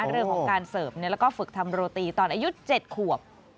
เรื่องของการเสิร์ฟแล้วก็ฝึกทำโรตีตอนอายุ๗ขวบ